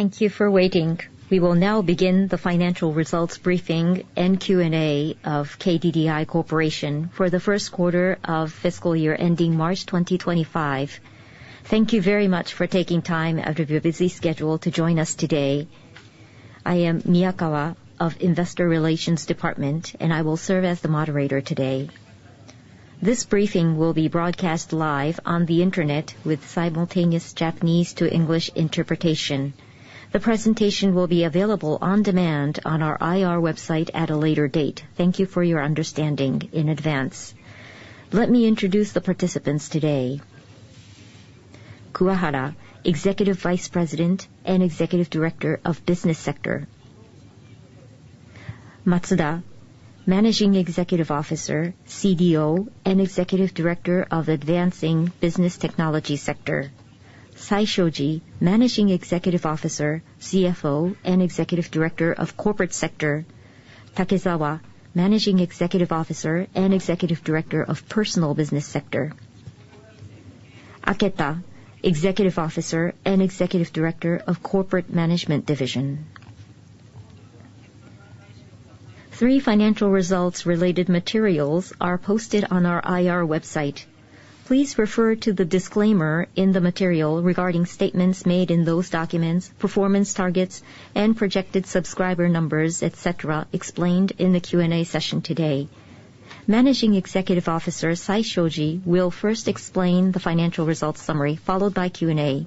...Thank you for waiting. We will now begin the financial results briefing and Q&A of KDDI Corporation for the First Quarter of Fiscal Year Ending March 2025. Thank you very much for taking time out of your busy schedule to join us today. I am Miyakawa of Investor Relations Department, and I will serve as the moderator today. This briefing will be broadcast live on the internet with simultaneous Japanese to English interpretation. The presentation will be available on demand on our IR website at a later date. Thank you for your understanding in advance. Let me introduce the participants today. Kuwahara, Executive Vice President and Executive Director of Business Sector. Matsuda, Managing Executive Officer, CDO, and Executive Director of Advancing Business Technology Sector. Saishoji, Managing Executive Officer, CFO, and Executive Director of Corporate Sector. Takezawa, Managing Executive Officer and Executive Director of Personal Business Sector. Aketa, Executive Officer and Executive Director of Corporate Management Division. Three financial results-related materials are posted on our IR website. Please refer to the disclaimer in the material regarding statements made in those documents, performance targets, and projected subscriber numbers, et cetera, explained in the Q&A session today. Managing Executive Officer, Saishoji, will first explain the financial results summary, followed by Q&A.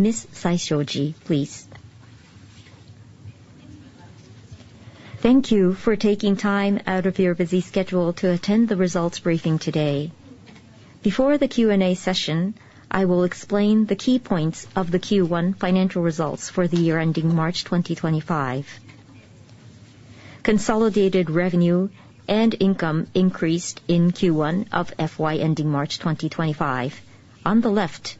Ms. Saishoji, please. Thank you for taking time out of your busy schedule to attend the results briefing today. Before the Q&A session, I will explain the key points of the Q1 financial results for the year ending March 2025. Consolidated revenue and income increased in Q1 of FY ending March 2025. On the left,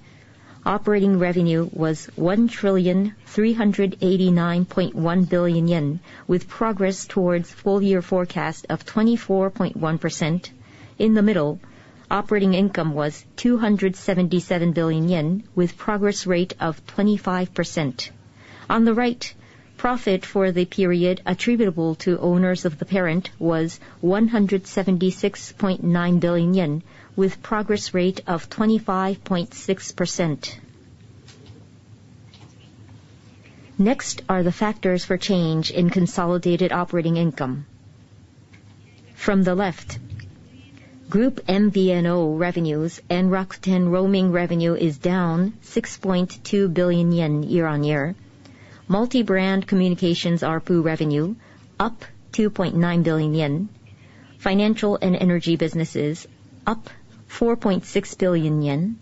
operating revenue was JPY 1,389.1 billion, with progress towards full year forecast of 24.1%. In the middle, operating income was 277 billion yen, with progress rate of 25%. On the right, profit for the period attributable to owners of the parent was 176.9 billion yen, with progress rate of 25.6%. Next are the factors for change in consolidated operating income. From the left, group MVNO revenues and Rakuten roaming revenue is down 6.2 billion yen year-on-year. Multi-brand communications ARPU revenue, up 2.9 billion yen. Financial and energy businesses, up 4.6 billion yen.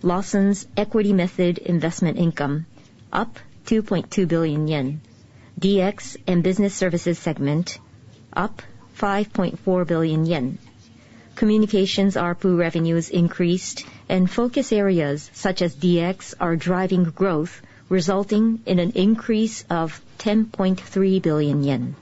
Lawson's equity method investment income, up 2.2 billion yen. DX and business services segment, up 5.4 billion yen. Communications ARPU revenues increased, and focus areas such as DX are driving growth, resulting in an increase of 10.3 billion yen.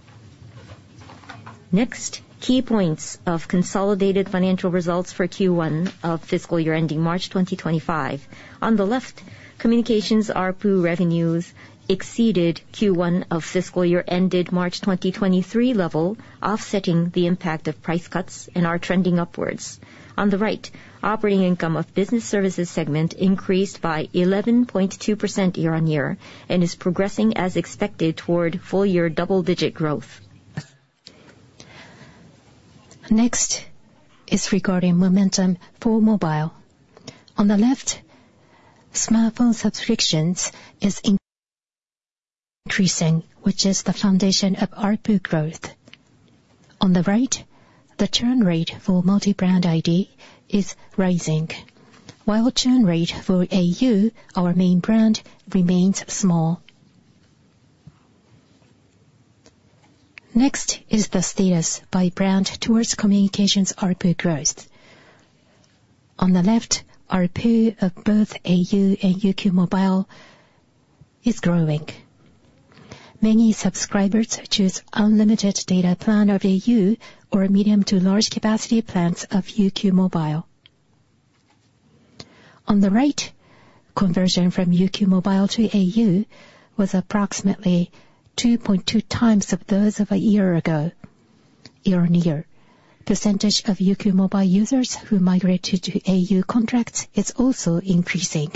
Next, key points of consolidated financial results for Q1 of fiscal year ending March 2025. On the left, communications ARPU revenues exceeded Q1 of fiscal year ended March 2023 level, offsetting the impact of price cuts and are trending upwards. On the right, operating income of business services segment increased by 11.2% year-on-year and is progressing as expected toward full-year double-digit growth. Next is regarding momentum for mobile. On the left, smartphone subscriptions is increasing, which is the foundation of ARPU growth. On the right, the churn rate for multi-brand ID is rising, while churn rate for au, our main brand, remains small. Next is the status by brand towards communications ARPU growth. On the left, ARPU of both au and UQ mobile is growing. Many subscribers choose unlimited data plan of au or medium to large capacity plans of UQ mobile. On the right, conversion from UQ mobile to au was approximately 2.2x of those of a year ago, year-on-year. Percentage of UQ mobile users who migrated to au contracts is also increasing.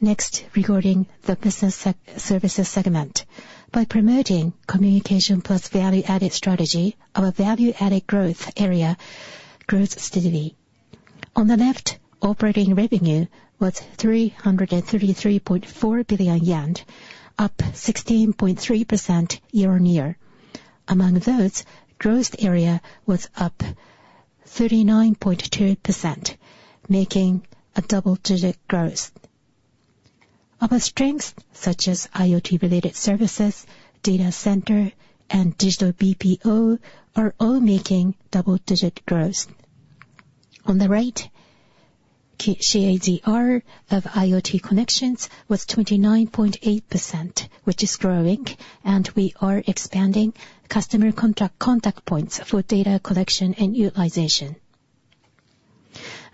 Next, regarding the business services segment. By promoting communication plus value-added strategy, our value-added growth area grows steadily. On the left, operating revenue was 333.4 billion yen, up 16.3% year-on-year. Among those, growth area was up 39.2%, making a double-digit growth. Our strengths, such as IoT-related services, data center, and digital BPO, are all making double-digit growth. On the right, CAGR of IoT connections was 29.8%, which is growing, and we are expanding customer contact, contact points for data collection and utilization.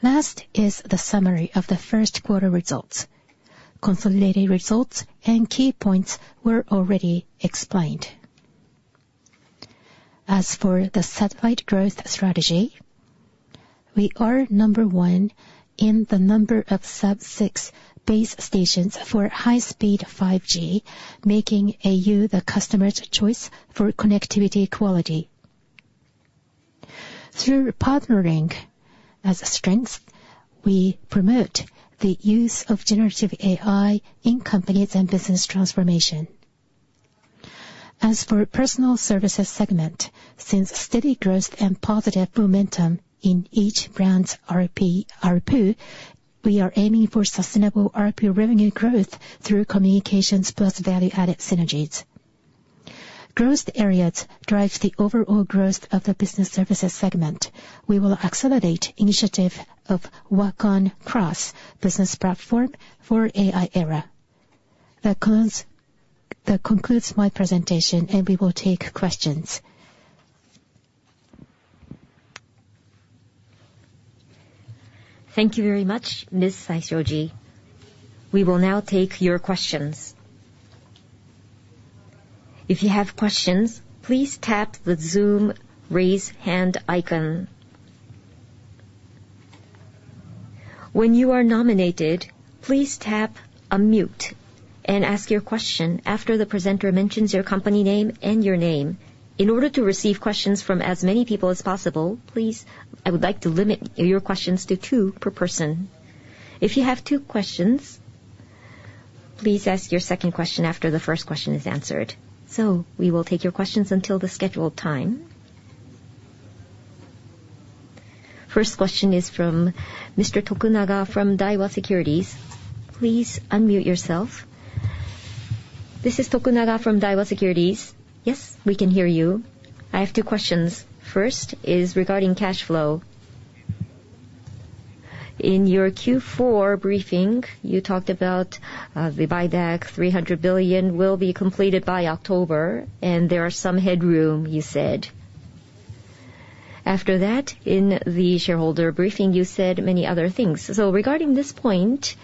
Last is the summary of the first quarter results. Consolidated results and key points were already explained. As for the satellite growth strategy, we are number one in the number of Sub-6 base stations for high-speed 5G, making au the customer's choice for connectivity quality. Through partnering as a strength, we promote the use of Generative AI in companies and business transformation. As for personal services segment, since steady growth and positive momentum in each brand's ARPU, we are aiming for sustainable ARPU revenue growth through communications plus value-added synergies. Growth areas drives the overall growth of the business services segment. We will accelerate initiative of WAKONX business platform for AI era. That concludes my presentation, and we will take questions. Thank you very much, Ms. Saishoji. We will now take your questions. If you have questions, please tap the Zoom Raise Hand icon. When you are nominated, please tap Unmute and ask your question after the presenter mentions your company name and your name. In order to receive questions from as many people as possible, please, I would like to limit your questions to two per person. If you have two questions, please ask your second question after the first question is answered. So we will take your questions until the scheduled time. First question is from Mr. Tokunaga from Daiwa Securities. Please unmute yourself. This is Tokunaga from Daiwa Securities. Yes, we can hear you. I have two questions. First is regarding cash flow. In your Q4 briefing, you talked about the buyback, 300 billion will be completed by October, and there are some headroom, you said. After that, in the shareholder briefing, you said many other things. So regarding this point,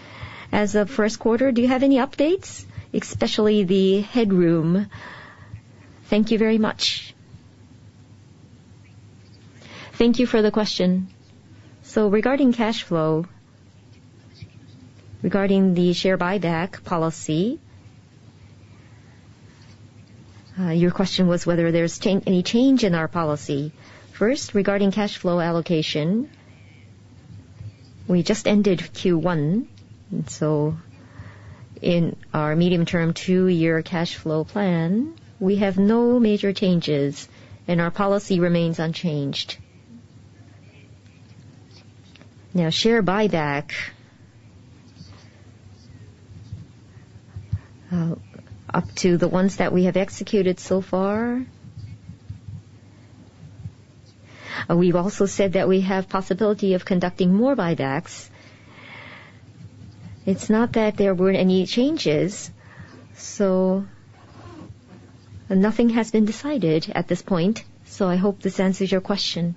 as of first quarter, do you have any updates, especially the headroom? Thank you very much. Thank you for the question. So regarding cash flow, regarding the share buyback policy, your question was whether there's any change in our policy. First, regarding cash flow allocation, we just ended Q1, and so in our medium-term two-year cash flow plan, we have no major changes, and our policy remains unchanged. Now, share buyback, up to the ones that we have executed so far, we've also said that we have possibility of conducting more buybacks. It's not that there weren't any changes, so nothing has been decided at this point, so I hope this answers your question.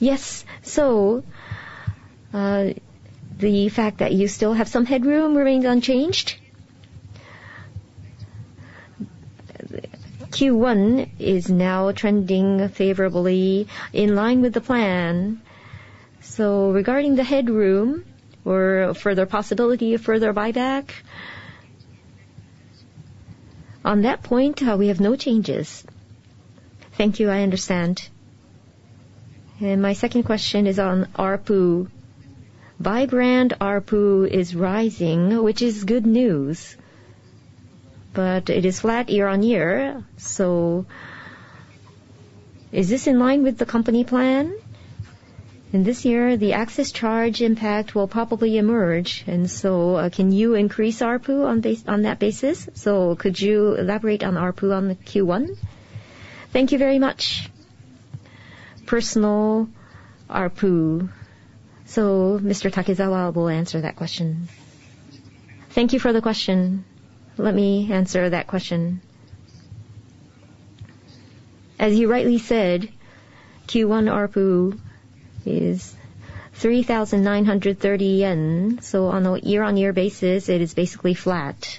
Yes. So, the fact that you still have some headroom remains unchanged? Q1 is now trending favorably in line with the plan. So regarding the headroom or further possibility of further buyback, on that point, we have no changes. Thank you. I understand. My second question is on ARPU. By brand, ARPU is rising, which is good news, but it is flat year-on-year, so is this in line with the company plan? In this year, the access charge impact will probably emerge, and so, can you increase ARPU on that basis? Could you elaborate on ARPU on the Q1? Thank you very much. Personal ARPU. So Mr. Takezawa will answer that question. Thank you for the question. Let me answer that question. As you rightly said, Q1 ARPU is 3,930 yen, so on a year-on-year basis, it is basically flat.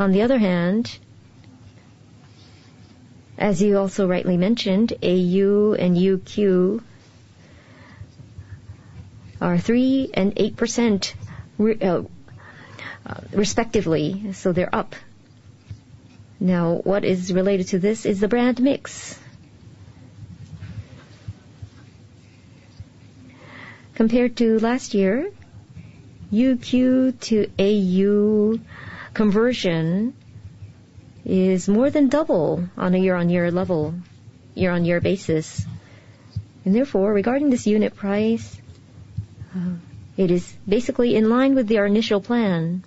On the other hand, as you also rightly mentioned, au and UQ are 3% and 8% respectively, so they're up. Now, what is related to this is the brand mix. Compared to last year, UQ to au conversion is more than double on a year-on-year level, year-on-year basis. Therefore, regarding this unit price, it is basically in line with our initial plan.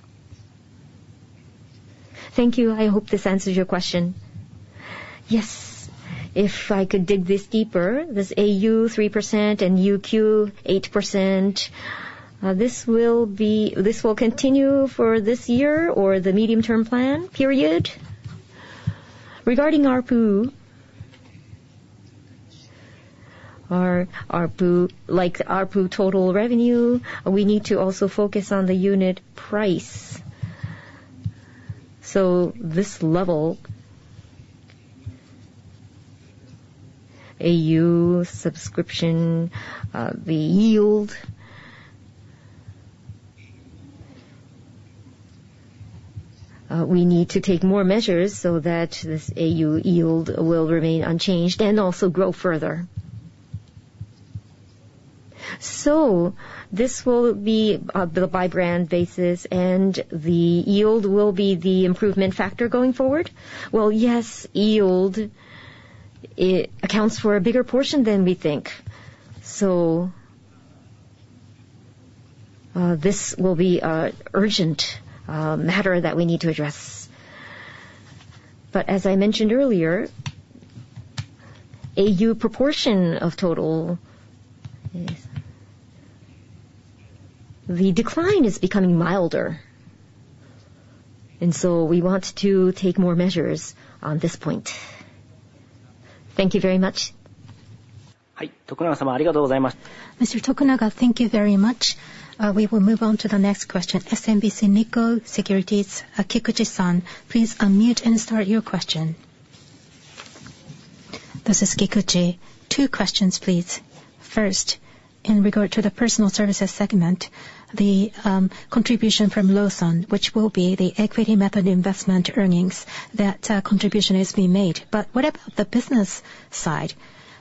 Thank you. I hope this answers your question. Yes. If I could dig this deeper, this au, 3%, and UQ, 8%, this will be this will continue for this year or the medium-term plan period?... Regarding ARPU, our ARPU, like ARPU total revenue, we need to also focus on the unit price. So this level, au subscription, the yield, we need to take more measures so that this au yield will remain unchanged and also grow further. So this will be, built by brand basis, and the yield will be the improvement factor going forward? Well, yes, yield, it accounts for a bigger portion than we think. So, this will be an urgent, matter that we need to address. But as I mentioned earlier, au proportion of total, the decline is becoming milder, and so we want to take more measures on this point. Thank you very much. Mr. Tokunaga, thank you very much. We will move on to the next question. SMBC Nikko Securities, Kikuchi-san, please unmute and start your question. This is Kikuchi. Two questions, please. First, in regard to the personal services segment, the contribution from Lawson, which will be the equity method investment earnings, that contribution is being made. But what about the business side?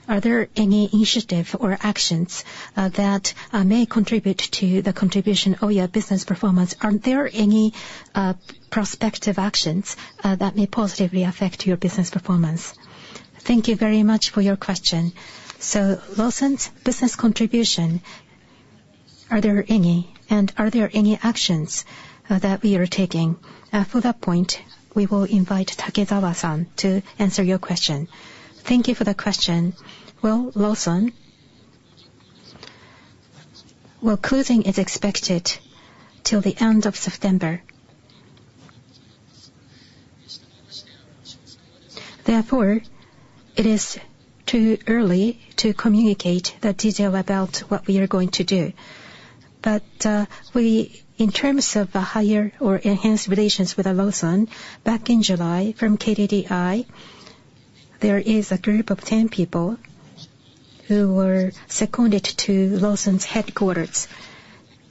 Are there any initiative or actions that may contribute to the contribution of your business performance? Are there any prospective actions that may positively affect your business performance? Thank you very much for your question. So Lawson's business contribution, are there any, and are there any actions that we are taking? For that point, we will invite Takezawa-san to answer your question. Thank you for the question. Well, Lawson, closing is expected till the end of September. Therefore, it is too early to communicate the detail about what we are going to do. But, we, in terms of the higher or enhanced relations with Lawson, back in July, from KDDI, there is a group of 10 people who were seconded to Lawson's headquarters.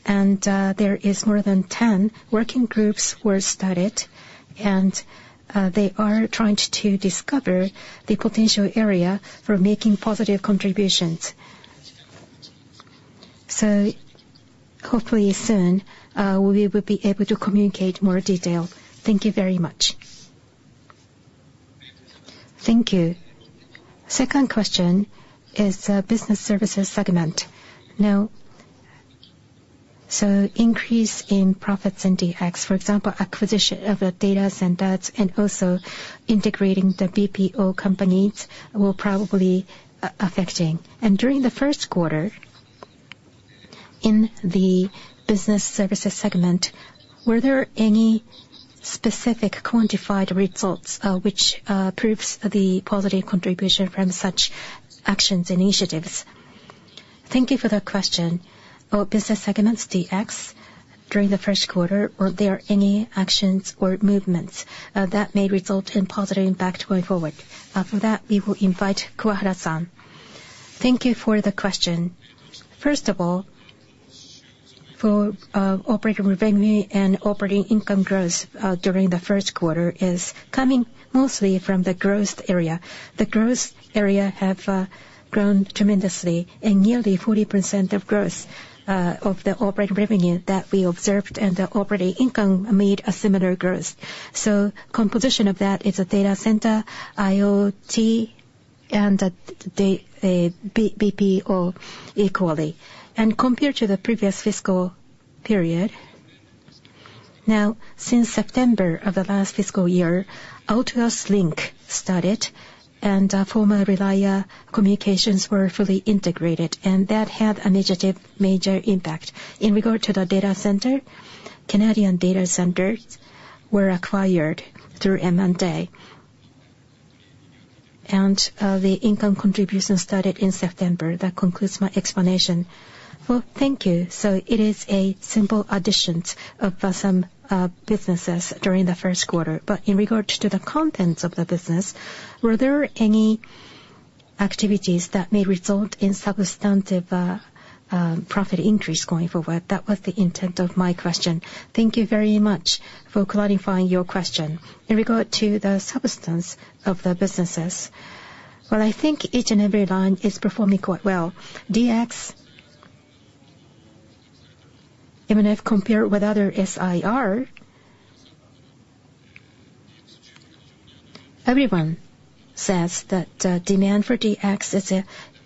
And, there is more than 10 working groups were started, and, they are trying to discover the potential area for making positive contributions. So hopefully soon, we will be able to communicate more detail. Thank you very much. Thank you. Second question is, business services segment. Now, increase in profits in DX, for example, acquisition of the data centers, and also integrating the BPO companies will probably affecting. During the first quarter, in the business services segment, were there any specific quantified results, which proves the positive contribution from such actions, initiatives? Thank you for that question. Our business segments, DX, during the first quarter, were there any actions or movements that may result in positive impact going forward? For that, we will invite Kuwahara-san. Thank you for the question. First of all, for operating revenue and operating income growth during the first quarter is coming mostly from the growth area. The growth area have grown tremendously, and nearly 40% of growth of the operating revenue that we observed, and the operating income made a similar growth. So composition of that is a data center, IoT, and the BPO equally. And compared to the previous fiscal period, now, since September of the last fiscal year, Altius Link started, and former Relia were fully integrated, and that had a negative major impact. In regard to the data center, Canadian data centers were acquired through M&A, and the income contribution started in September. That concludes my explanation. Well, thank you. So it is a simple additions of some businesses during the first quarter. But in regard to the contents of the business, were there any activities that may result in substantive, profit increase going forward? That was the intent of my question. Thank you very much for clarifying your question. In regard to the substance of the businesses, well, I think each and every line is performing quite well. DX, even if compared with other SIer, everyone says that, demand for DX is,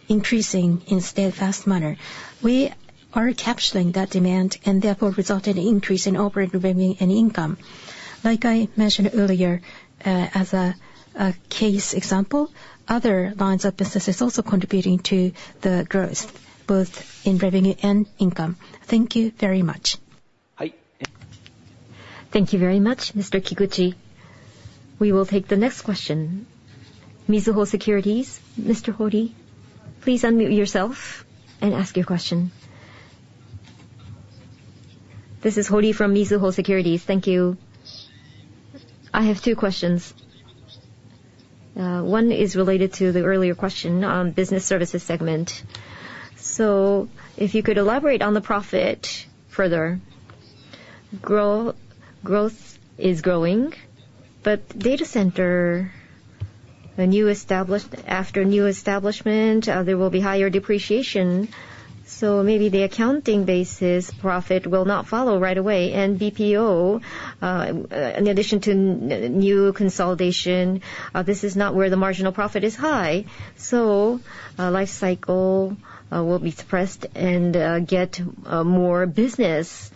increasing in steadfast manner. We are capturing that demand, and therefore, result in increase in operating revenue and income. Like I mentioned earlier, as a case example, other lines of business is also contributing to the growth, both in revenue and income. Thank you very much.... Thank you very much, Mr. Kikuchi. We will take the next question. Mizuho Securities, Mr. Hori, please unmute yourself and ask your question. This is Hori from Mizuho Securities. Thank you. I have two questions. One is related to the earlier question on business services segment. So if you could elaborate on the profit further. Growth, growth is growing, but data center, a new established, after new establishment, there will be higher depreciation, so maybe the accounting basis profit will not follow right away. BPO, in addition to new consolidation, this is not where the marginal profit is high. Life cycle will be suppressed and get more business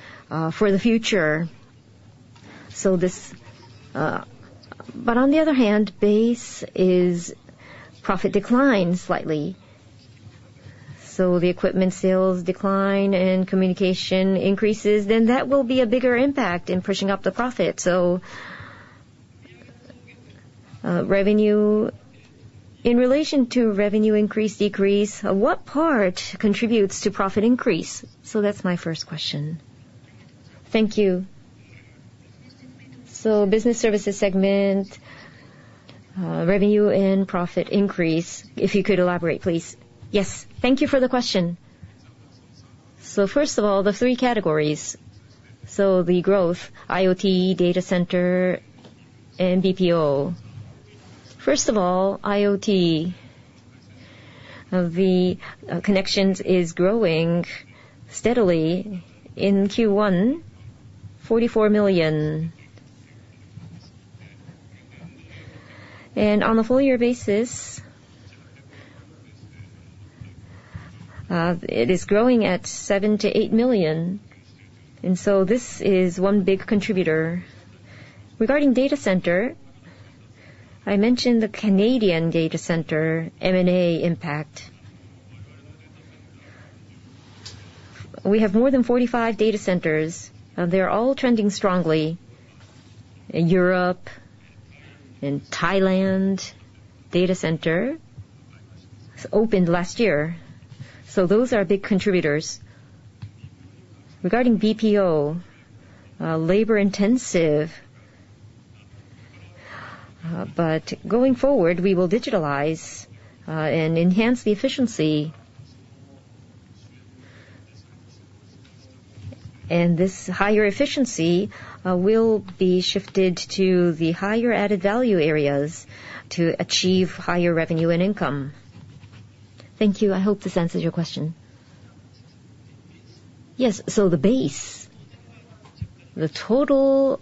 for the future. This... But on the other hand, base is profit declined slightly, so the equipment sales decline and communication increases, then that will be a bigger impact in pushing up the profit. So, revenue, in relation to revenue increase, decrease, what part contributes to profit increase? So that's my first question. Thank you. So business services segment, revenue and profit increase, if you could elaborate, please. Yes. Thank you for the question. So first of all, the three categories. So the growth, IoT, data center, and BPO. First of all, IoT. The connections is growing steadily. In Q1, 44 million. And on a full year basis, it is growing at 7 million-8 million, and so this is one big contributor. Regarding data center, I mentioned the Canadian data center, M&A impact. We have more than 45 data centers, and they are all trending strongly. In Europe, in Thailand, data center opened last year, so those are big contributors. Regarding BPO, labor intensive, but going forward, we will digitalize, and enhance the efficiency. And this higher efficiency, will be shifted to the higher added value areas to achieve higher revenue and income. Thank you. I hope this answers your question. Yes, so the base, the total,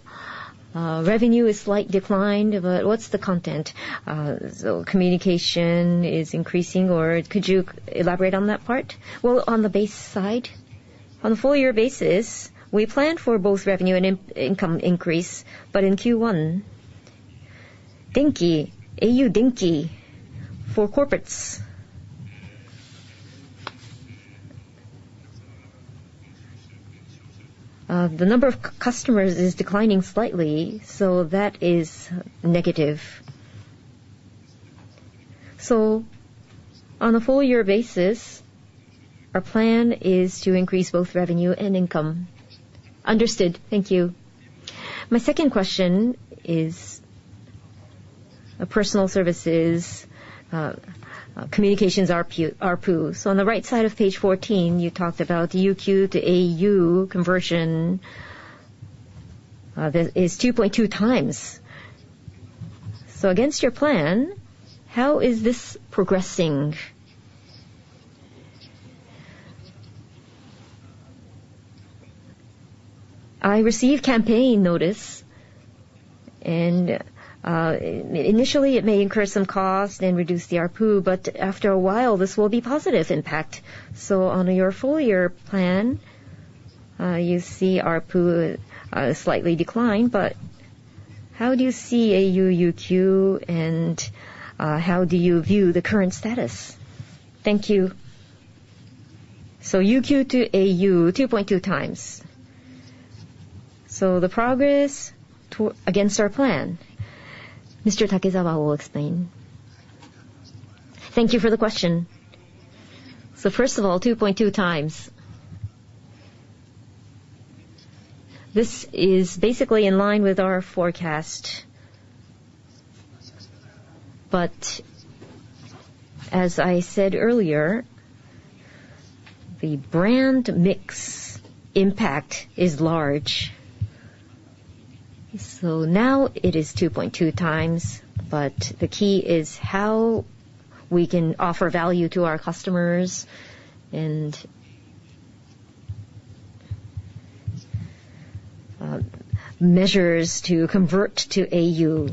revenue is slight decline, but what's the content? So communication is increasing or could you elaborate on that part? Well, on the base side, on a full year basis, we plan for both revenue and income increase, but in Q1, Denki, au Denki for corporates. The number of customers is declining slightly, so that is negative. So on a full year basis, our plan is to increase both revenue and income. Understood. Thank you. My second question is, personal services, communications ARPU. So on the right side of page 14, you talked about UQ to au conversion, that is 2.2x. So against your plan, how is this progressing? I received campaign notice, and, initially, it may incur some cost and reduce the ARPU, but after a while, this will be positive impact. So on your full year plan, you see ARPU, slightly decline, but how do you see au UQ, and, how do you view the current status? Thank you. So UQ to au, 2.2x. So the progress against our plan, Mr. Takezawa will explain. Thank you for the question. So first of all, 2.2x. This is basically in line with our forecast. But as I said earlier, the brand mix impact is large. So now it is 2.2x, but the key is how we can offer value to our customers and measures to convert to au.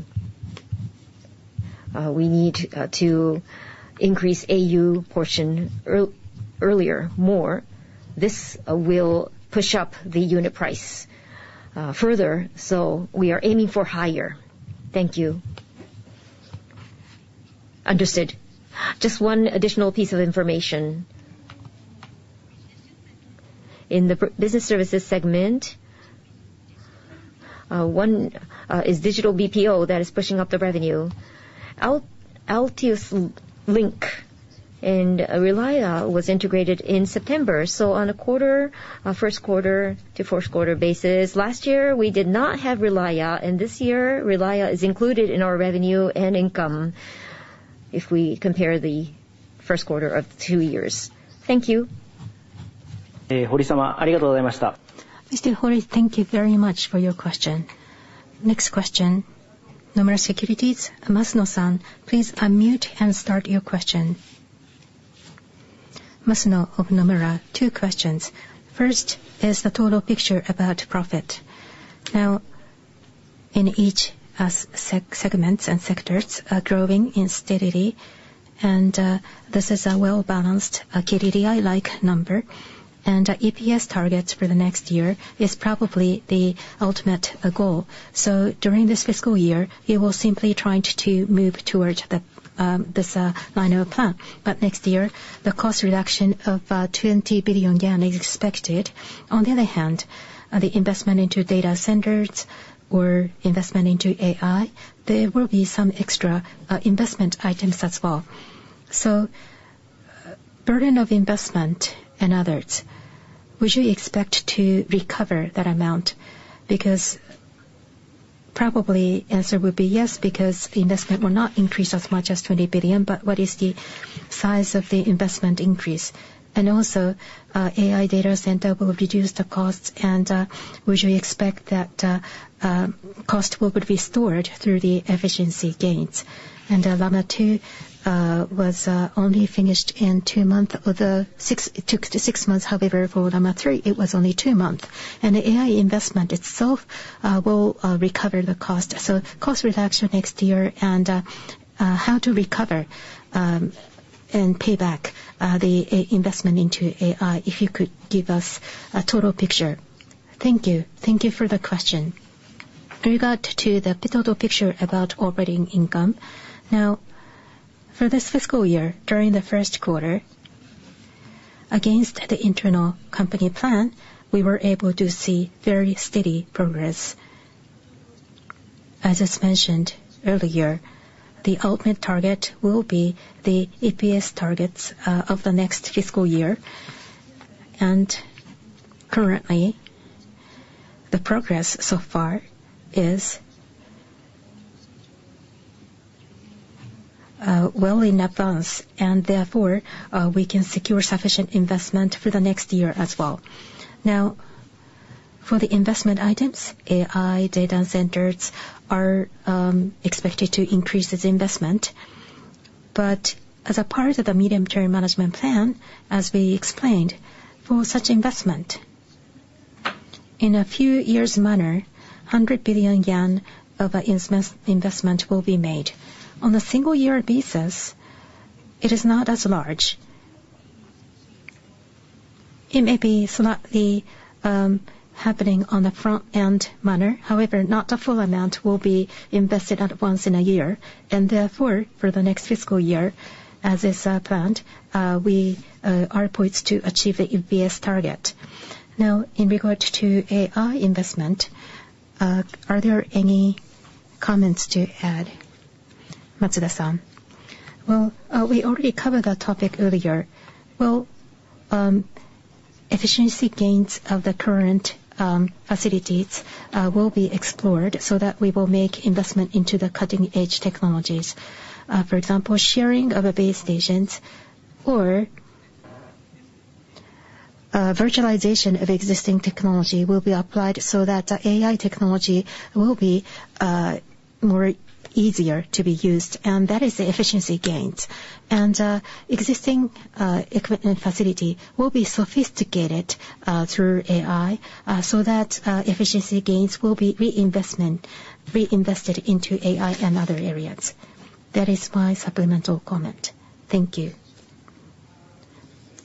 We need to increase au portion earlier, more. This will push up the unit price further, so we are aiming for higher. Thank you.... Understood. Just one additional piece of information. In the business services segment, one is digital BPO that is pushing up the revenue. Altius Link and Relia was integrated in September, so on a quarter first quarter to fourth quarter basis, last year, we did not have Relia, and this year, Relia is included in our revenue and income if we compare the first quarter of two years. Thank you. Mr. Hori, thank you very much for your question. Next question, Nomura Securities, Masuno-san, please unmute and start your question. Masuno of Nomura. Two questions. First is the total picture about profit. Now, in each, segments and sectors are growing steadily, and, this is a well-balanced, KDDI-like number, and EPS targets for the next year is probably the ultimate, goal. So during this fiscal year, you will simply trying to move towards the, this, line of plan, but next year, the cost reduction of 20 billion yen is expected. On the other hand, the investment into data centers or investment into AI, there will be some extra, investment items as well. So, burden of investment and others, would you expect to recover that amount? Because probably answer would be yes, because the investment will not increase as much as 20 billion, but what is the size of the investment increase? And also, AI data center will reduce the costs, and, would you expect that, cost would be stored through the efficiency gains? And, Llama 2 was only finished in two months, although it took six months; however, for Llama 3, it was only two months. And the AI investment itself will recover the cost. So cost reduction next year and, how to recover and pay back the investment into AI, if you could give us a total picture. Thank you. Thank you for the question. With regard to the total picture about operating income, now, for this fiscal year, during the first quarter, against the internal company plan, we were able to see very steady progress. As is mentioned earlier, the ultimate target will be the EPS targets of the next fiscal year, and currently, the progress so far is well in advance, and therefore, we can secure sufficient investment for the next year as well. Now, for the investment items, AI data centers are expected to increase its investment. But as a part of the medium-term management plan, as we explained, for such investment, in a few years' manner, 100 billion yen of investment will be made. On a single year basis, it is not as large. It may be slightly happening on the front-end manner, however, not the full amount will be invested at once in a year. And therefore, for the next fiscal year, as is planned, we are poised to achieve the EPS target. Now, in regard to AI investment, are there any comments to add, Matsuda-san? Well, we already covered that topic earlier. Well, efficiency gains of the current facilities will be explored so that we will make investment into the cutting-edge technologies. For example, sharing of a base stations or virtualization of existing technology will be applied so that the AI technology will be more easier to be used, and that is the efficiency gains. And, existing equipment facility will be sophisticated through AI, so that efficiency gains will be reinvested into AI and other areas. That is my supplemental comment. Thank you.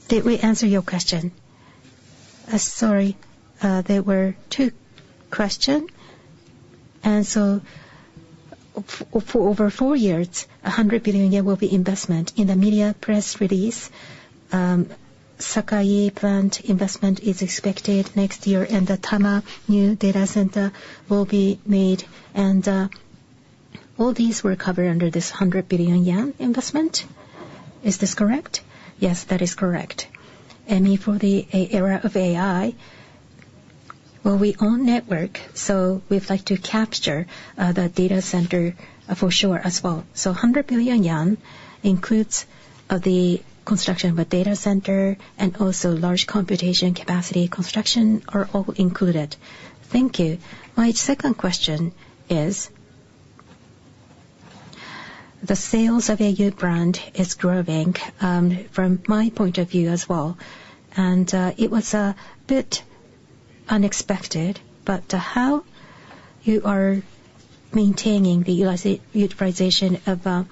Did we answer your question? Sorry, there were two questions, and so for over four years, 100 billion yen will be investment. In the media press release, Sakai plant investment is expected next year, and the Tama new data center will be made, and all these were covered under this 100 billion yen investment. Is this correct? Yes, that is correct. And for the era of AI, well, we own network, so we'd like to capture the data center for sure as well. So 100 billion yen includes the construction of a data center and also large computation capacity construction are all included. Thank you. My second question is: the sales of au brand is growing from my point of view as well, and it was a bit unexpected, but how you are maintaining the user utilization of au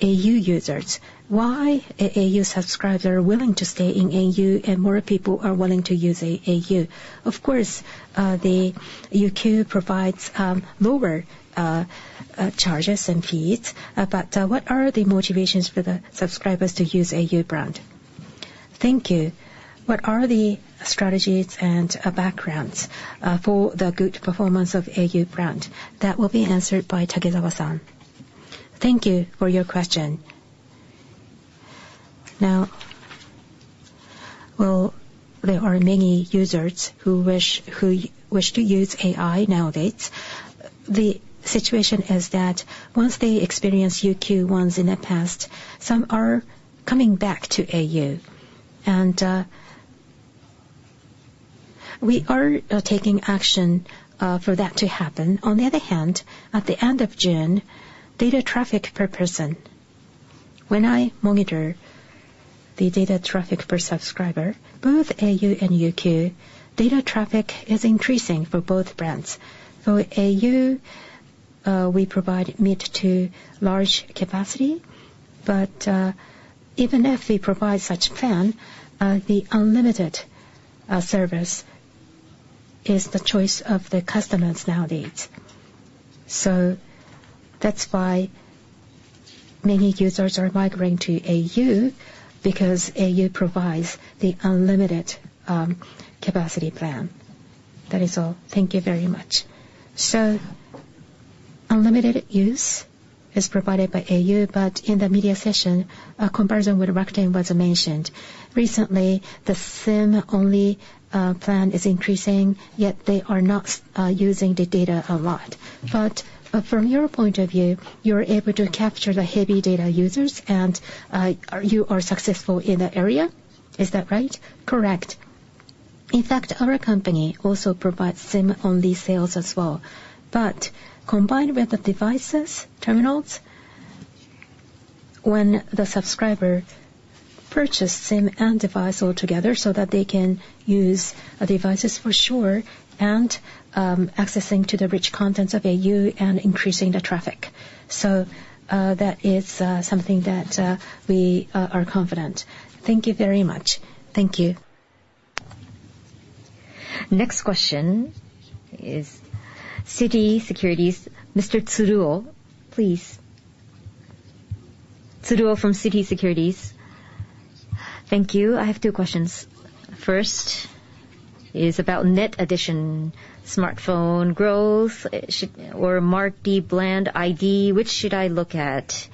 users? Why au subscribers are willing to stay in au, and more people are willing to use au? Of course, the UQ provides lower charges and fees, but what are the motivations for the subscribers to use au brand?... Thank you. What are the strategies and, backgrounds, for the good performance of au brand? That will be answered by Takezawa-san. Thank you for your question. Now, well, there are many users who wish, who wish to use AI nowadays. The situation is that once they experience UQ once in the past, some are coming back to au, and, we are, taking action, for that to happen. On the other hand, at the end of June, data traffic per person, when I monitor the data traffic per subscriber, both au and UQ, data traffic is increasing for both brands. For au, we provide mid to large capacity, but, even if we provide such plan, the unlimited, service is the choice of the customers nowadays. That's why many users are migrating to au, because au provides the unlimited capacity plan. That is all. Thank you very much. Unlimited use is provided by au, but in the media session, a comparison with Rakuten was mentioned. Recently, the SIM-only plan is increasing, yet they are not using the data a lot. But from your point of view, you're able to capture the heavy data users and you are successful in that area. Is that right? Correct. In fact, our company also provides SIM-only sales as well. But combined with the devices, terminals, when the subscriber purchase SIM and device all together so that they can use the devices for sure, and accessing to the rich contents of au and increasing the traffic. That is something that we are confident. Thank you very much. Thank you. Next question is Citi Securities. Mr. Tsuruo, please. Tsuruo from Citi Securities. Thank you. I have two questions. First is about net addition, smartphone growth, or market brand ID, which should I look at?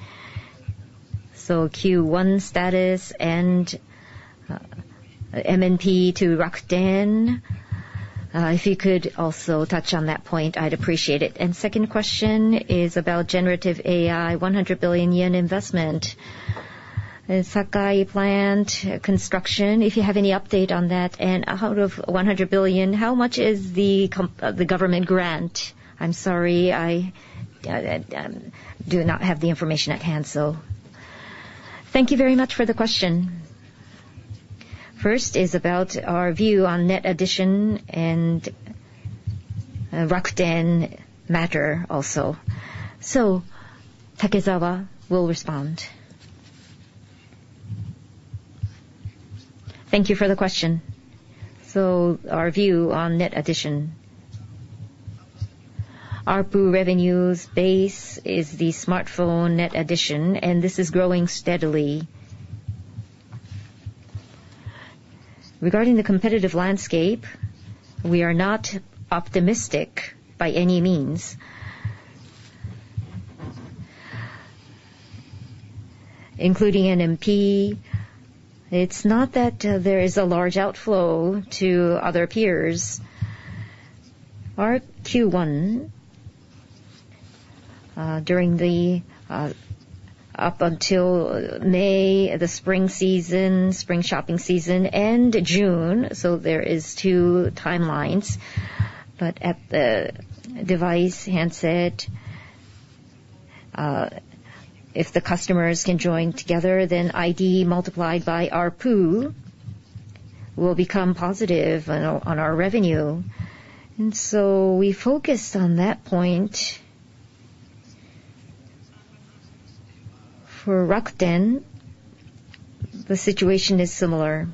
So Q1 status and MNP to Rakuten. If you could also touch on that point, I'd appreciate it. Second question is about generative AI, 100 billion yen investment. The Sakai plant construction, if you have any update on that, and out of 100 billion, how much is the government grant? I'm sorry, I do not have the information at hand, so thank you very much for the question. First is about our view on net addition and Rakuten matter also. So Takezawa will respond. Thank you for the question. So our view on net addition. ARPU revenues base is the smartphone net addition, and this is growing steadily. Regarding the competitive landscape, we are not optimistic by any means. Including MNP, it's not that there is a large outflow to other peers. Our Q1 during the up until May, the spring season, spring shopping season, and June, so there is two timelines. But at the device, handset, if the customers can join together, then ID multiplied by ARPU will become positive on our revenue, and so we focused on that point. For Rakuten, the situation is similar.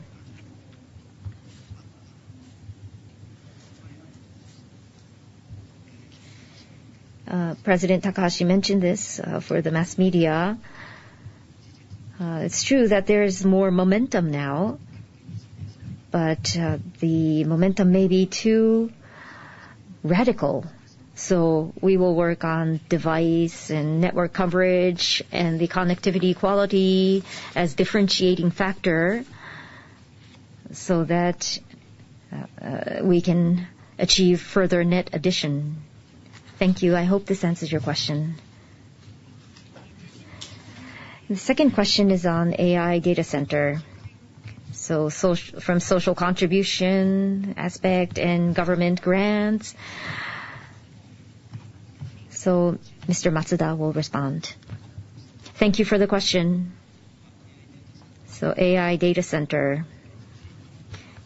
President Takahashi mentioned this for the mass media. It's true that there is more momentum now, but the momentum may be too radical. So we will work on device and network coverage and the connectivity quality as differentiating factor, so that we can achieve further net addition. Thank you. I hope this answers your question. The second question is on AI data center, so from social contribution aspect and government grants. So Mr. Matsuda will respond. Thank you for the question. So AI data center,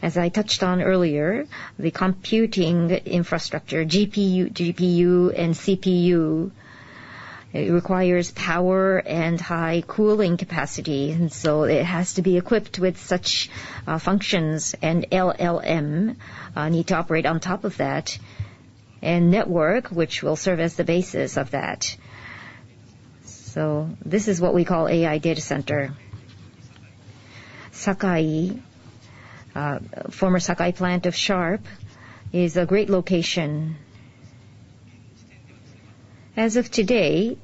as I touched on earlier, the computing infrastructure, GPU, GPU and CPU, it requires power and high cooling capacity, and so it has to be equipped with such functions, and LLM need to operate on top of that, and network, which will serve as the basis of that.... So this is what we call AI data center. Sakai, former Sakai plant of Sharp, is a great location. As of today,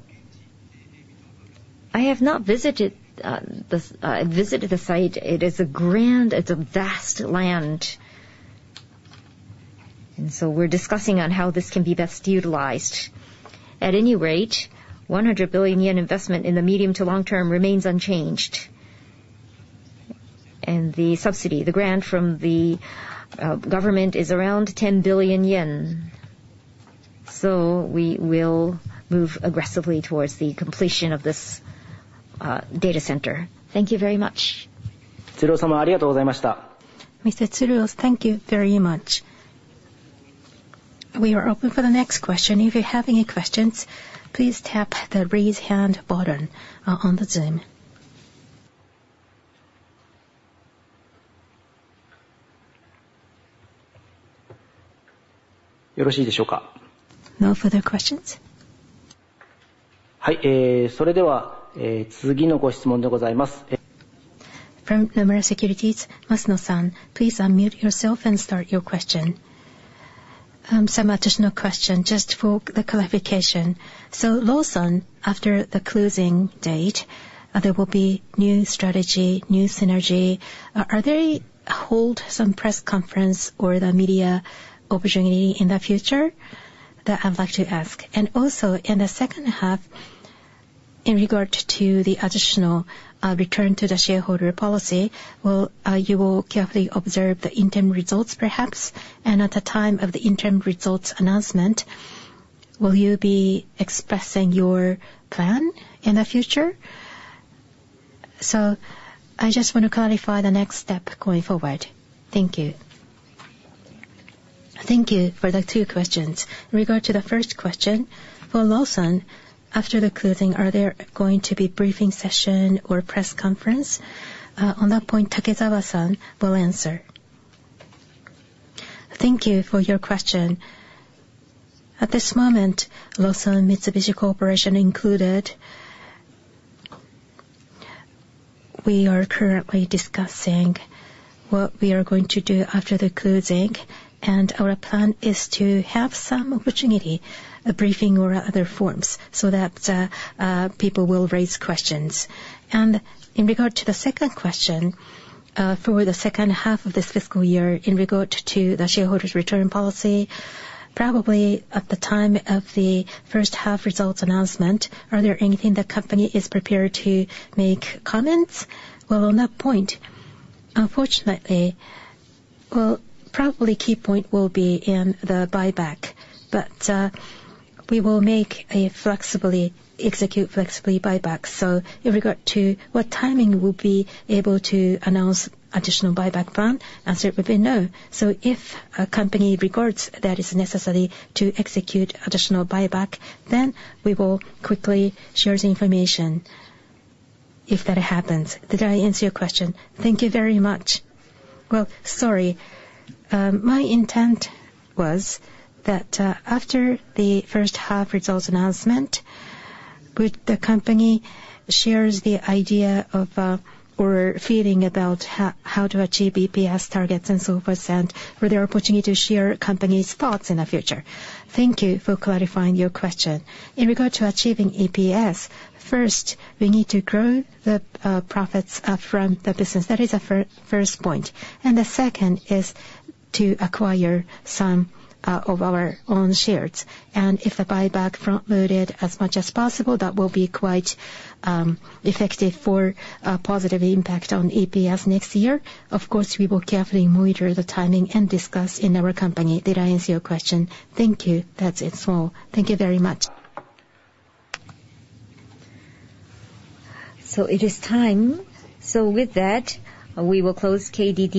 I have not visited the site. It is a vast land, and so we're discussing on how this can be best utilized. At any rate, 100 billion yen investment in the medium to long term remains unchanged. And the subsidy, the grant from the government, is around 10 billion yen, so we will move aggressively towards the completion of this data center. Thank you very much. Mr. Tsuruo, thank you very much. We are open for the next question. If you have any questions, please tap the Raise Hand button on the Zoom. No further questions? From Nomura Securities, Masuno-san, please unmute yourself and start your question. Some additional question, just for the clarification. So Lawson, after the closing date, there will be new strategy, new synergy. Are they hold some press conference or the media opportunity in the future? That I'd like to ask. And also, in the second half, in regard to the additional return to the shareholder policy, will you will carefully observe the interim results, perhaps? And at the time of the interim results announcement, will you be expressing your plan in the future? So I just want to clarify the next step going forward. Thank you. Thank you for the two questions. In regard to the first question, for Lawson, after the closing, are there going to be briefing session or press conference? On that point, Takezawa-san will answer. Thank you for your question. At this moment, Lawson and Mitsubishi Corporation included, we are currently discussing what we are going to do after the closing, and our plan is to have some opportunity, a briefing or other forms, so that people will raise questions. And in regard to the second question, for the second half of this fiscal year, in regard to the shareholders' return policy, probably at the time of the first half results announcement, are there anything the company is prepared to make comments? Well, on that point, unfortunately... Well, probably key point will be in the buyback. But, we will make a flexibly, execute flexibly buyback. So in regard to what timing we'll be able to announce additional buyback plan, answer would be no. So if a company regards that is necessary to execute additional buyback, then we will quickly share the information if that happens. Did I answer your question? Thank you very much. Well, sorry. My intent was that, after the first half results announcement, would the company shares the idea of, or feeling about how to achieve EPS targets and so forth, and will there opportunity to share company's thoughts in the future? Thank you for clarifying your question. In regard to achieving EPS, first, we need to grow the profits from the business. That is the first point. And the second is to acquire some of our own shares. And if the buyback front-loaded as much as possible, that will be quite effective for a positive impact on EPS next year. Of course, we will carefully monitor the timing and discuss in our company. Did I answer your question? Thank you. That's it all. Thank you very much. It is time. With that, we will close KDDI-